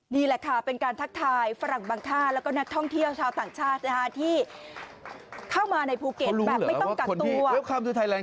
นี่แหละค่ะเป็นการทักทายฝรั่งบางท่าแล้วก็นักท่องเที่ยวชาวต่างชาตินะคะที่เข้ามาในภูเก็ตแบบไม่ต้องกักตัวด้วยความดูไทยแรง